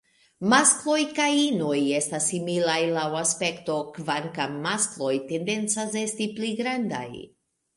Maskloj kaj inoj estas similaj laŭ aspekto, kvankam maskloj tendencas esti pli grandaj.